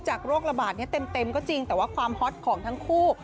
โรคระบาดนี้เต็มก็จริงแต่ว่าความฮอตของทั้งคู่